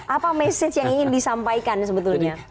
apa message yang ingin disampaikan sebetulnya